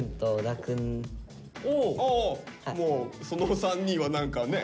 もうその３人は何かね